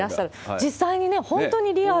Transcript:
実際にね、本当にリアル。